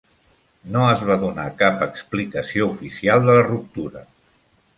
No es va donar cap explicació oficial de la ruptura.